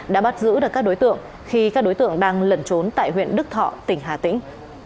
đã bắt giữ được các đối tượng khi các đối tượng đang lẩn trốn tại huyện đức thọ tỉnh hà tĩnh